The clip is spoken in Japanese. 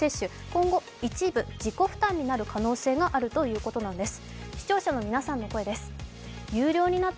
今後、一部、自己負担になる可能性があるということなんです。